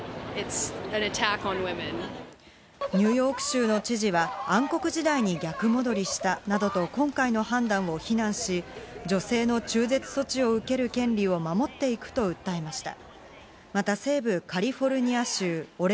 ニューヨーク州の知事は暗黒時代に逆戻りしたなどと今回の判断を非難し、女性の中絶措置を受ける権利を守っていくと訴えました。